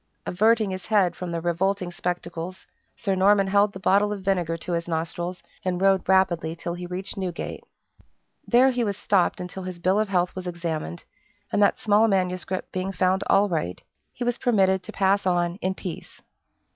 Averting his head from the revolting spectacles, Sir Norman held the bottle of vinegar to his nostrils, and rode rapidly till he reached Newgate. There he was stopped until his bill of health was examined, and that small manuscript being found all right, he was permitted to pass on in peace.